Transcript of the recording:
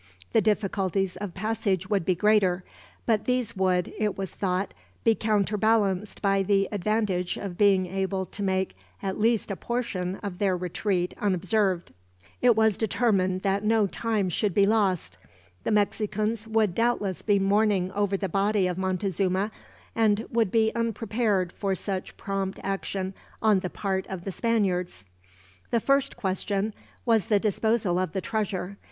The difficulties of passage would be greater; but these would, it was thought, be counterbalanced by the advantage of being able to make at least a portion of their retreat unobserved. It was determined that no time should be lost. The Mexicans would doubtless be mourning over the body of Montezuma, and would be unprepared for such prompt action on the part of the Spaniards. The first question was the disposal of the treasure.